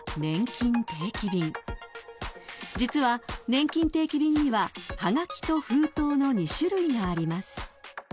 ［実はねんきん定期便にははがきと封筒の２種類があります］